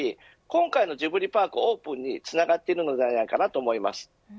今回のジブリパークオープンにつながっているのではないかと思います。